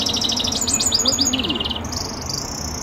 Tettwalim-iyi-d?